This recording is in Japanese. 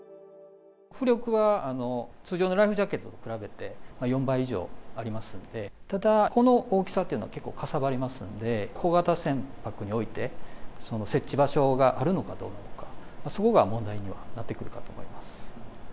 浮力は通常のライフジャケットと比べて４倍以上ありますんで、ただ、この大きさっていうのは結構かさばりますんで、小型船舶において、設置場所があるのかどうなのか、そこが問題にはなってくるかと思います。